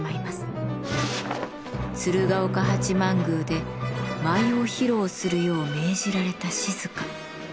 鶴岡八幡宮で舞を披露するよう命じられた静。